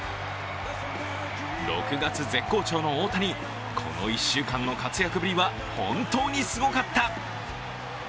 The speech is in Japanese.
６月絶好調の大谷、この１週間の活躍ぶりは本当にすごかった。